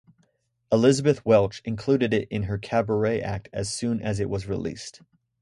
Elisabeth Welch included it in her cabaret act as soon as it was released.